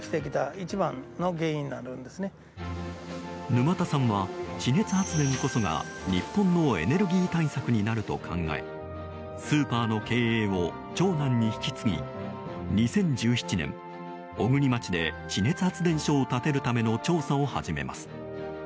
沼田さんは、地熱発電こそが日本のエネルギー対策になると考えスーパーの経営を長男に引き継ぎ２０１７年、小国町で地熱発電所を建てるための調査を始めます。